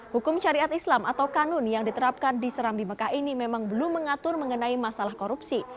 hukum syariat islam atau kanun yang diterapkan di serambi mekah ini memang belum mengatur mengenai masalah korupsi